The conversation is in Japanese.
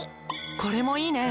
これもいいね！